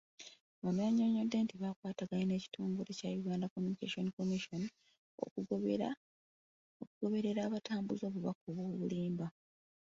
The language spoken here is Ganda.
Ono yannyonnyodde nti bakwataganye n'ekitongole kya Uganda Communication Commission , okugoberera abatambuza obubaka obw'obulimba .